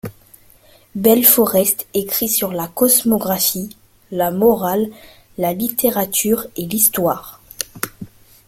Belleforest écrit sur la cosmographie, la morale, la littérature et l'histoire.